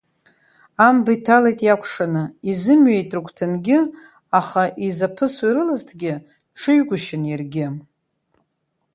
Амба иҭалеит иакәшаны, изымҩеит рыгәҭангьы, аха изаԥысуа ирылазҭгьы, ҽыҩгәышьан иаргьы.